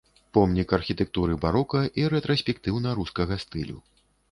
Помнік архітэктуры барока і рэтраспектыўна-рускага стылю.